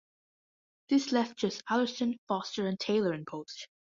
This left just Allerston, Foster and Taylor in post.